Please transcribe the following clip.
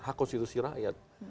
hak konstitusi rakyat